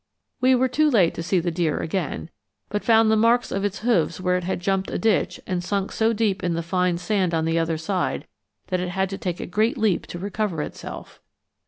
We were too late to see the deer again, but found the marks of its hoofs where it had jumped a ditch and sunk so deep in the fine sand on the other side that it had to take a great leap to recover itself.